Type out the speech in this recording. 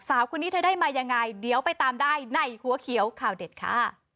สาวคนนี้เธอได้มายังไงเดี๋ยวไปตามได้ในหัวเขียวข่าวเด็ดค่ะ